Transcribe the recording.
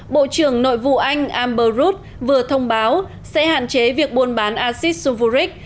bộ trưởng nội vụ anh amber root vừa thông báo sẽ hạn chế việc buôn bán acid sulfuric